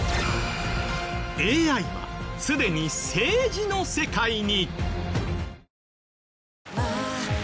ＡＩはすでに政治の世界に！？